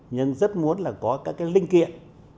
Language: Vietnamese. nhưng rất muốn là có các cái linh kiện